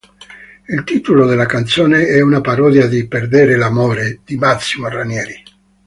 Il titolo della canzone è una parodia di "Perdere l'amore" di Massimo Ranieri.